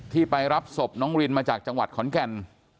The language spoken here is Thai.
ไปรับศพน้องรินมาจากจังหวัดขอนแก่น